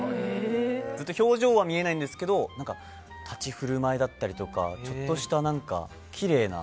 ずっと表情は見えないんですけど立ち居振る舞いだったりとかちょっとした、きれいな。